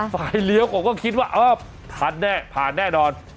ฝ่ายเหลียวผมก็คิดว่าอ้อผ่านแน่ผ่านแน่นอน